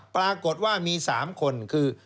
ปรากฏว่ามี๓คนคือ